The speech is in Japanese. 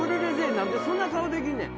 何でそんな顔できんねん